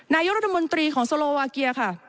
นายกรัฐมนตรีของโซโลวาเกียค่ะ